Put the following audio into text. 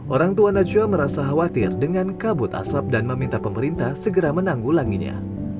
orang tua najwa merasa khawatir dengan kabut asap dan meminta pemerintah segera menanggulanginya